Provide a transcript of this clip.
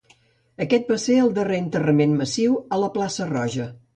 Aquest va ser el darrer enterrament massiu a la plaça Roja.